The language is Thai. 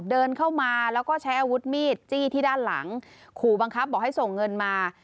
เดินเข้ามาแล้วก็ใช้อาวุธมีดจี้ที่ด้านหลังขู่บังคับบอกให้ส่งเงินมา